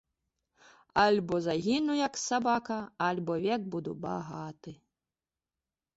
Альбо загіну, як сабака, альбо век буду багаты!